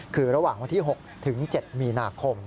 คือระหว่างวันที่๖ถึง๗มีนาคม